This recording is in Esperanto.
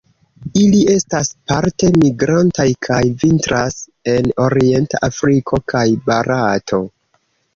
Ili estas parte migrantaj, kaj vintras en orienta Afriko kaj Barato.